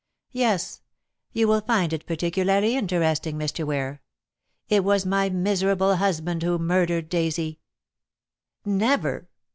"Yes. You will find it particularly interesting, Mr. Ware. It was my miserable husband who murdered Daisy." "Never!"